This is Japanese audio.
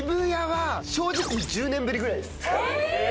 え！？